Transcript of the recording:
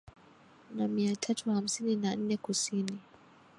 na mia tatu hamsini na nne Kusini